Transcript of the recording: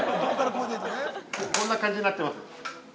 ◆こんな感じになってます。